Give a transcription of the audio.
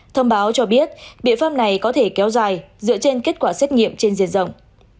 thông báo cho biết biện pháp này có thể kéo dài dựa trên kết quả xét nghiệm trên diện rộng